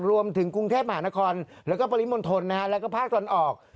รวมถึงกรุงเทพมหานครแล้วก็ปริมณฑลแล้วก็ภาคตะวันออก